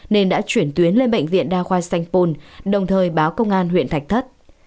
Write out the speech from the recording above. nên đã chuyển tuyến lên bệnh viện đa khoa sanh pôn đồng thời báo công an huyện thạch thất